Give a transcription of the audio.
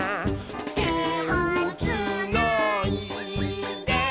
「てをつないで」